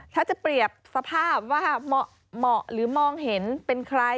ถ้าจะเปรียบสภาพว่าเหมาะหรือมองเห็นเป็นใคร